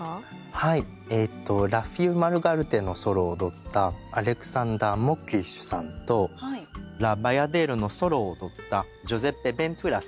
はいえと「ラ・フィーユ・マル・ガルデ」のソロを踊ったアレクサンダー・モックリッシュさんと「ラ・バヤデール」のソロを踊ったジュゼッペ・ヴェントゥーラさん。